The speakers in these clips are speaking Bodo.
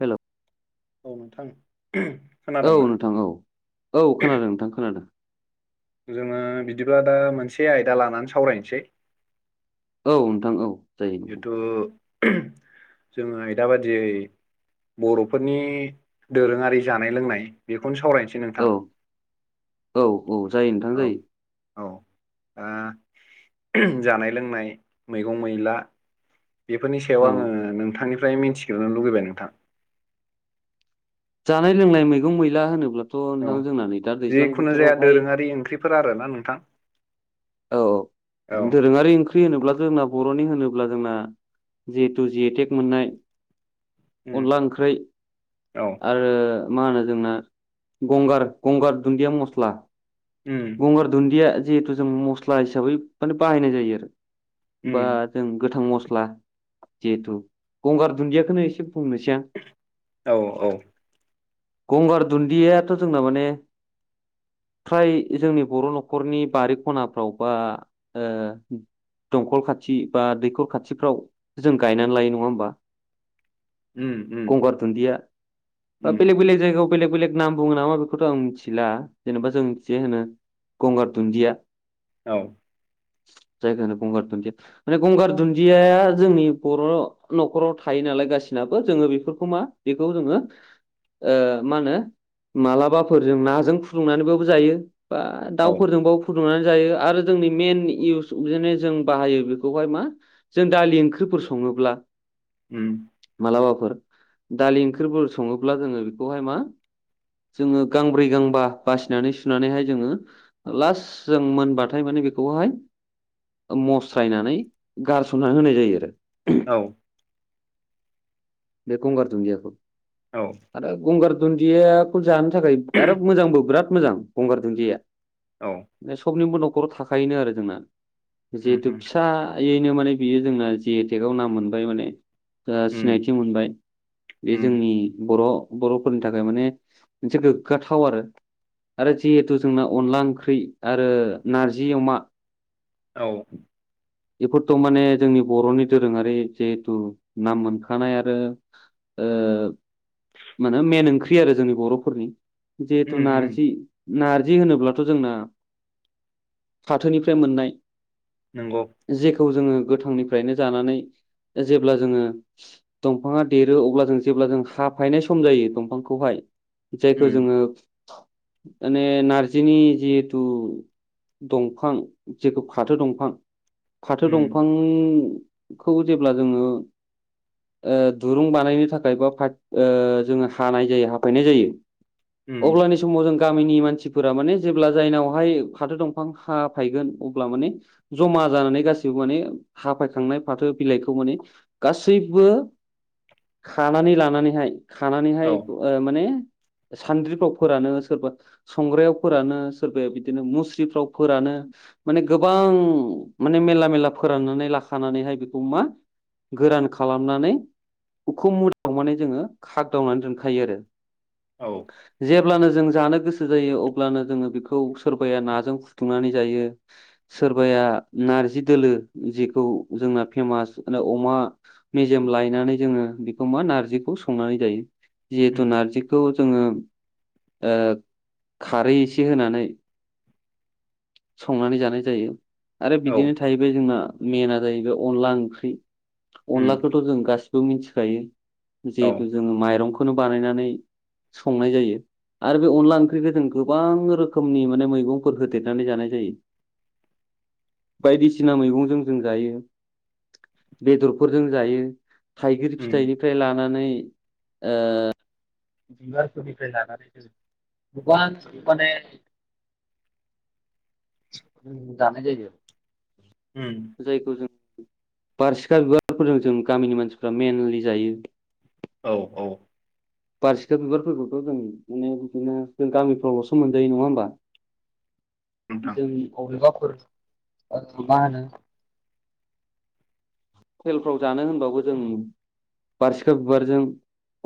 हेल'। औ नोंथां। औ खोनादोंना नोंथां औ औ खोनादों नोंथां खोनादों। जोङो बिदिब्ला दा मोनसे आयदा लानानै सावरायनोसै। औ नोंथां औ। जायो नोंथां जिथु ओम जोङो आयदा बादियै। बर'फोरनि दोरोङारि जानाय लोंनाय। बेखौनो सावरायनोसै औ नोंथां औ औ जायो नोंथां औ। जायो औ ओ जानाय लोंनाय मैगं मैला। बेफोरनि सायाव औ आङो नोंथांनिफ्राय मिथिग्रोनो लुगैबाय नोंथां। जानाय लोंनाय मैगं मैला होनोब्लाथ' औ नोंथां जोंना नै दा दैज्लां बोथोरावहाय। फोर आरो ना नोंथां। औ औ दोरोङारि ओं ख्रि होनोब्ला' जोंना बर'नि होनोब्ला जोंना जिहेतु जिए टेक मोननाय। उम अनला ओंख्रै औ आरो। मा होनो जोंना गंगार गंगार दुन्दिया मस्ला। उम। गंगार दुन्दिया जिहेथु जों मस्ला हिसाबै माने बाहायनाय जायो आरो बा। उम जों गोथां मस्ला जिहेथु गंगार दुन्दियाखोनो एसे बुंनोसै आं। औ औ। गंगार दुन्दियाथ' जोंना माने। फ्राय जोंनि बर' न'खरनि बारि खनाफ्राव बा ओ। दंखल खाथि बा दैखर खाथिफ्राव जों गायनानै लायो नङा होमबा। उम उम गंगार दुन्दिया बा उम बेलेग बेलेग जायगायाव। बेलेग बेलेग नाम बुङो नामा बेखौथ' आं मिथिला जेनेबा जों जे होनो गंगार दुन्दिया। औ। जायखौ होनो गंगार दुन्दिया माने गंगार दुन्दियाआ जोंनि बर'। न'खराव थायो नालाय गासिनाबो जोङो बेफोरखौ मा बेखौ जोङो। ओ मा होनो मालाबाफोर जों नाजों फुदुंनानैबाबो जायो। बा औ दाउफोरजोंबाबो फुदुंनानै जायो। आरो जोंनि मैइन इउस बिदिनो जों बाहायो बेखौहाय मा। जों दालि ओंख्रिफोर सङोब्ला। उम। मालाबाफोर दालि ओंख्रिफोर सङोब्ला जोङो बेखौहाय मा। जोङो गांब्रै गांबा बासिनानै सुनानैहाय जोङो लास्ट जों मोनबा हाथाय माने बेखौहाय मस्रायनानै गारसननानै होनाय जायो आरो औ बेखुमगार तजयाख औ आरो गंगार दुन्दियाखौ जानो थाखाय आरो मोजांबो बिराद मोजां गंगार दुन्दिया औ सबनिबो न'खराव थाखायोनो आरो जोंना उम जिहेथु फिसा ैनो माने बियो जोंना जे एटेक आआव नाम मोनबाय माने उम सिनायथि मोनबाय बे उम जोंनि बर' बर'फोरनि थाखाय माने मोनसे गोग्गाथाव आरो आरो जिहेतु जोंना अनला ओंख्रि आरो नारजि अमा औ बेफोरथ' माने जोंनि बर'नि दोरोङारि जिहेथु नाम मोनख थानाय आरो माने मेन ओंख्रि आरो जोंनि बर'फोरनि जेथु उम उम नारजि नारजि होनोब्लाथ' जोंना फाथोनिफ्राय मोननाय नंगौ जेखौ जोङो गोथांनिफ्रायनो जानानै जेब्ला जोङो दंफाङा देरो अब्ला जों जेब्ला जों हाफायनाय सम जायो दंफांखौहाय जायखौ उम जोङो माने नारजिनि जिहेथु दंफां जेखौ फाथो दंफां फाथो उम दंफांखौ जेब्ला जोङो दुरुं बानायनो थाखाय बा जोङो हानाय जायो हाफायनाय जायो उम अग्ल' बे समाव जों गामिनि मानसिफोरा माने जेब्ला जायनावहाय फाथो दंफां हाफायगोन अब्ला माने जमा जानानै गासिबो माने हाफायखांनाय फाथो बिलाइखौ माने गैबो खानानै लानानैहाय खानानैहाय औ माने सान्द्रिफ्राव फोरानो सोरबा संग्रायाव फोरानो सोरबाया बिदिनो मुस्रिफ्राव फोरानो माने गोबां माने मेला मेला फोराननानै लाखानानैहाय बेखौ मा गोरान खालामनानै उखौ मुदाव माने जोङो खागदावनानै दोनखायो आरो औ जेब्लानो जों जानो गोसो जायो अब्लानो जोङो बेखौ सोरबाया नाजों फुदुंनानै जायो सोरबाया नारजि दोलो जिेखौ जोंना फेमास अमा मेजेम लायनानै जोङो बेखौ मा नारजिखौ संनानै जायो उम जिहेतु नारजि बेखौ जोङो खारै एसे होनानै संनानै जानाय जायो आरो औ बिदिनो थाहैबाय जोंना मेेनआ जाहैबाय अनला ओंख्रि उम अनलाखौथ' जों गासिबो मिथिखायो औ जिहेथु जोङो माइरंखौनो बानायनानै संनाय जायो आरो बे अनला ओंख्रिखौ जों गोबां रोखोमनि माने मैगंफोर होदेर नानै जानाय जायो बायदिसिना मैगंजों जों जायो बेदरफोरजों जायो थाइगिर उम फिथाइनि फ्राय लानानै बिबारफोरनिफ्राय लानानै जो भगब मान दानो जाय द उम जायखौ जों बारसिखा बिबारफोरजों जों गामिनि मानसिफ्रा मेनलि जायो औ औ बारसिखा बिबारफोरखौथ' जों माने बिदिनो जों गामिफ्रावल'सो मोन्जायो नङा होमबा नोंथां जोंनि अबेबाफोर मा होनो हटेलफ्राव जानो होनबाबो जों बारसिखा बिबारजों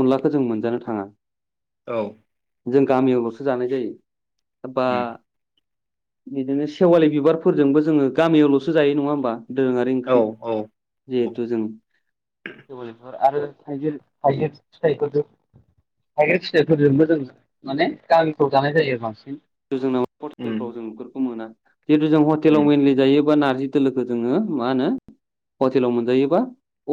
अनलाखौ जों मोनजानो थाङा। औ। जों गामियावाल'सो जानाय जायो बा उम बिदिनो सेवालि बिबारफोरजोंबो जोङो गामियावल'सो जायो नङा होमबा दोरोङारि औ ओंख्रि। औ औ जिहेथु जों सेवालि बिबार आरो थाइगिर-थाइगिर फिथाइखौ जों थाइगिर फिथाइफोरजोंबो जों माने गामिफ्राव जानाय जायो बांसिन। जोंनाव उम। जों हटेलफ्राव बेफोरखौ मोना। खिन्थु जों हतेलाव उम मेनलि जायोब्ला नार्जि जि दोलोखौ जोङो मा होनो हटेलाव मोनजायोबा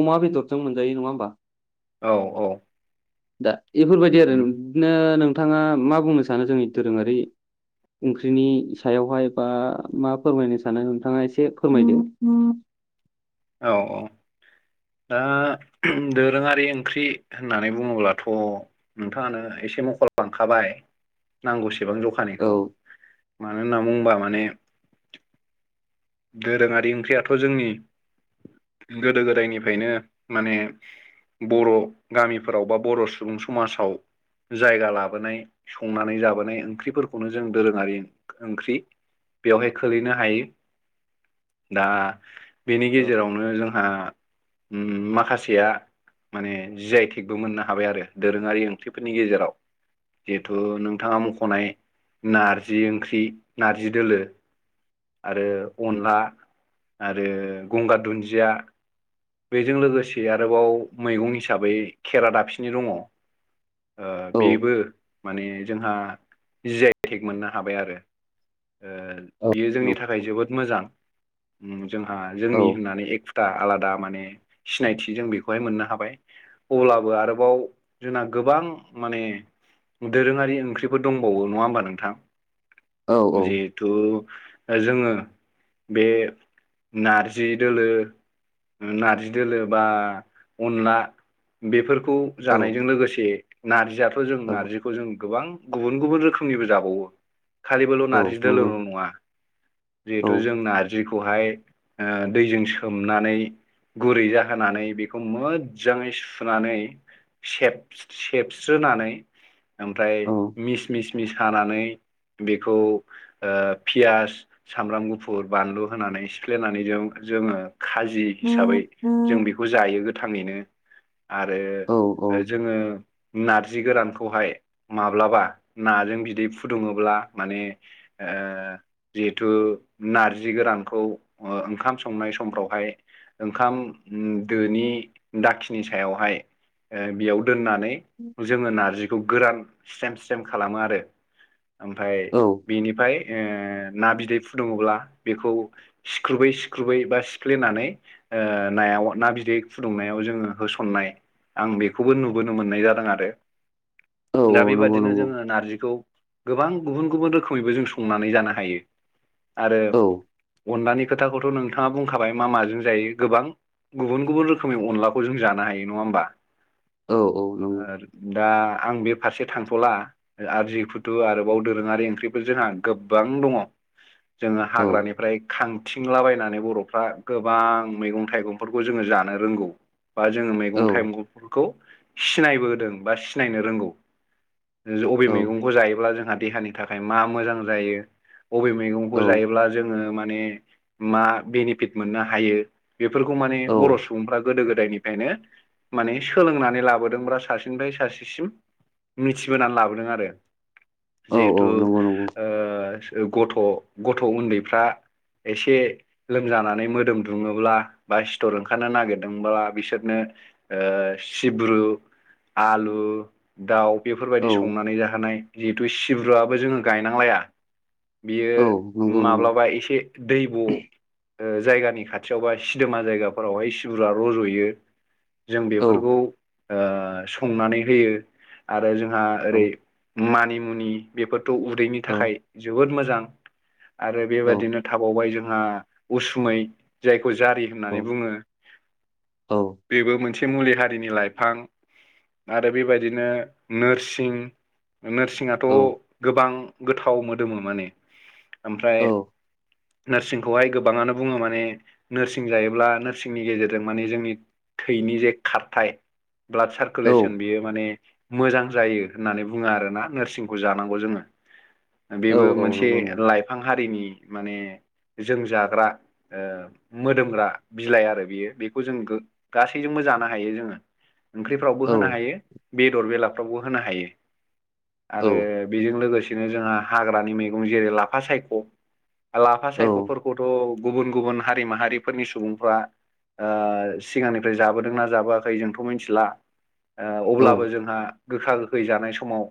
अमा बेदरजों मोनजायो नङा होमबा। औ औ। दा एफोरबायदि आरो उम नों दिनो नोंथाङा मा बुंनो सानो जोंनि दोरोङारि ओंख्रिनि सायावहाय बा मा फोरमायनो सानो नोंथाङा एसे फोरमायदो। औ औ। दा दोरोङारि ओंख्रि होननानै बुङोब्लाथ' नोंथाङानो एसे मख'लांखाबाय। नांगौसेबां औ जखानायखौ। मानो होनना बुङोबा माने दोरोङारि ओंख्रियाथ' जोंनि गोदो गोदायनिफ्रायनो माने बर' गामिफोराव बा बर' सुबुं समाजाव जायगा लाबोनाय संनानै जाबोनाय ओंख्रिफोरखौनो जों दोरोङारि ओंख्रि बेवहाय खोलैनो हायो। दा बेनि औ गेजेरावनो जोंहा उम माखासेया माने जि आइ थेक बो मोननो हाबाय आरो दोरोङारि ओंख्रिफोरनि गेजेराव। जिहेथु नोंथाङा मख'नाय नारजि ओंख्रि नारजि दोलो आरो अनला आरो गंगार दुन्दिया बेजों लोगोसे आरोबाव मैगं हिसाबै खेरा दाबसिनि दङ। ओ औ बेबो माने जोंहा जि आइ थेक मोननो हाबाय आरो। ओ औ बियो जोंनि थाखाय जोबोद मोजां। उम जोंहा औ जोंनि होननानै एक दा आलादा माने सिनायथि जों बेखौहाय मोननो हाबाय। अब्लाबो आरोबाव जोंना गोबां माने दोरोङारि ओंख्रिफोर दंबावो नङा होमबा नोंथां। औ जिहेथु ओ जोङो बे नारजि दोलो नारजि दोलो बा अनला बेफोर खौ औ जानायजों लोगोसे नारजियाथ' जोंना खौ जों गोबां गुबुन गुबुन रोखोमनिबो जाबावो। खालिबोल' औ नंगौ नारजि दोलोल' नङा। जिहेथु जों औ नारजिखौहाय ओ दैजों सोमनानै गुरै जाहोनानै बेखौ मोजाङै सुनानै सेब-सेबस्रोनानै औ ओमफ्राय मिस मिस मिस हानानै बेखौ ओ पियास सामब्राम गुफुर बानलु होनानै सिफ्लेनानै जों जोङो खाजि हिसाबै जों बेखौ जायो गोथाङैनो आरो ओ औ जोङो नारजि गोरानखौहाय माब्लाबा नाजों बिदै फुदुङोब्ला माने जिथु नारजि गोरानखौ ओ ओंखाम संनाय समफ्रावहाय ओंखाम उम दोनि दाखिनि सायावहाय ओ बेयाव दोननानै जोङो नारजिखौ गोरान स्रेम स्रेम खालामो आरो। ओमफफ्राय औ बेनिफ्राय ओ ना बिदै फुदुङोब्ला बेखौ सिख्रुबै सिख्रुबै बा सिफ्लेनानै ओ नायाव ना बिदै फुदुंनायाव जोङो होसननाय आं बेखौबो नुबोनो मोननाय जादों आरो औ दा नंगौ बेबादिनो नंगौ जोङो नारजिखौ गोबां गुबुन गुबुन रोखोमैबो जों संनानै जानो हायो। आरो औ अनलानि खोथाखौथ' नोंथाङा बुंखाबाय मा माजों जायो गोबां गुबुन गुबुन रोखोमनि अनलाखौ जों जानो हायो नङा होमबा औ औ नंगौ दा आं बे फारसे थांथ'ला आरजि कुथु आरोबाव दोरोङारि ओंख्रिफोर जोंहा गोबां दङ जोङो औ हाग्रानिफ्राय खांथिंलाबायनानै बर'फ्रा गोबां मैगं थाइगं [unintelligible] जोङो जानो रोंगौ बा जोङो औ मैगं थाइगं [unintelligible] खौ सिनायबोदों बा सिनायनो रोंगौ। अबे मैगंखौ जायोब्ला जोंहा देहानि थाखाय मा मोजां जायो अबे औ मैगंखौ जायोब्ला जोङो माने मा बेनिफिट मोननो हायो बेफोरखौ माने औ बर' सुबुंफ्रा गोदो गोदायनिफ्रायनो माने सोलोंनानै लाबोदोंब्रा सासेनिफ्राय सासेसिम मिथिबोनानै लाबोदों आरो औ जिहेथु नंगौ नंगौ ओ गथ' गथ' उन्दैफ्रा एसे लोमजानानै मोदोम दुङोब्ला बा सिथर ओंखारनो नागिरदोंब्ला बिसोरनो ओ सिब्रु आलु दाउ औ बेफोरबायदि संनानै जाहोनाय जिहेथु सिब्रुवाबो जोङो गायनांलाया औ बियो नंगौ नंगौ माब्लाबा एसे दैब' ओ जायगानि खाथियाव बा सिदोमा जायगाफोरावहाय सिबुरा रज'यो। जों औ बेफोरखौ ओ संनानै होयो। आरो जोंहा औ ओरै मानिमुनि बेफोरथ' उदैनि औ थाखाय जोबोद मोजां आरो औ बेबादिनो थाबावबाय जोंहा उसुमै जायखौ जारि होननानै बुङो। औ। औ बेबो मोनसे मुलि हारिनि लाइफां आरो बेबायदिनो नोरसिं नोरसिङा थ' नंगौ नंगौ गोबां गोथाव मोदोमो माने ओमफ्राय औ नोरसिंखौहाय गोबाङानो बुङो माने नोरसिं जायोब्ला नोरसिंनि गेजेरजों माने जोंनि थैनि जे खारथाय ब्लाड औ औ सारकुलेसन बियो माने मोजां जायो होननानै बुङो आरो ना नोरसिंखौ जानांगौ जोङो। बेबो मोनसे लाइफां हारिनि माने जों जाग्रा ओ मोदोमग्रा बिलाइ आरो बियो बेखौ जों गो गासैजोंबो जानो हायो जोङो। ओंख्रिफ्रावबो होनो हायो बेदर बेलाफ्रावबो होनो हायो आरो बेजों लोगोसेनो जोंहा हाग्रानि मैगं जेरै लाफा सायख' लाफा सायख'फोरखौथ' गुबुन गुबुन हारि माहारिफोरनि सुबुंफ्रा ओ सिगांनिफ्राय जाबोदों ना जाबोआखै जोंथ' मिनथिला ओ अब्लाबो जोंहा गोखा गोखै जानाय समाव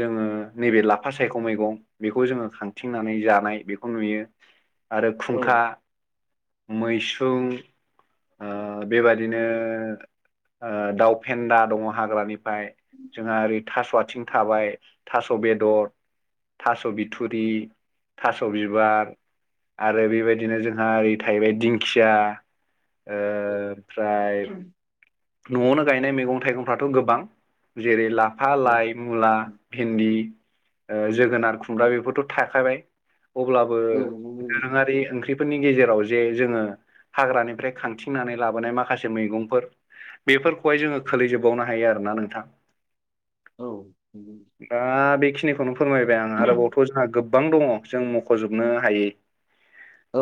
जोङो नैबे लाफा सायख' मैगं बेखौ जोङो खांथिंनानै जानाय बेखौ नुयो। आरो खुंखा मैस्रुं ओ बेबादिनो ओ दाउ फेन्दा दङ' हाग्रानिफाय जोंहा ओरै थास' आथिं थाबाय थास' बेदर थास' बिथुरि थास' बिबार आरो बेबायदिनो जोंहा ओरै थाहैबाय दिंखिया ओ ओमफ्राय न'आवनो गायनाय मैगं थाइगंफ्राथ' गोबां जेरै लाफा लाइ मुला भिन्दि ओ जोगोनार खुमब्रा बेफोरथ' थाखाबाय। अब्लाबो औ दोरोङारि ओंख्रिफोरनि गेजेराव जे जोङो हाग्रानिफ्राय खांथिंनानै लाबोनाय माखासे मैगंफोर बेफोरखौहाय जोङो खोलैजोबबावनो हायो आरोना नोंथां। औ, नंगौ। दा बेखिनिखौनो फोरमायबाय आं आरोबावथ' खौ जोंहा गोबां दङ' जों मख'जोबनो हायै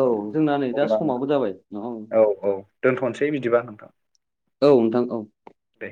औ जोंना नै दा अब्ला न समाबो जाबाय नङा होमबा? औ औ दोनथ'नोसै बिदिबा नोंथां। औ नोंथां औ। दे।